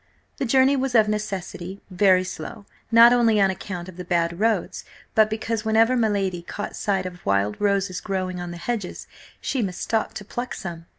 The journey was, of necessity, very slow, not only on account of the bad roads, but because whenever my lady caught sight of wild roses growing on the hedges, she must stop to pluck some.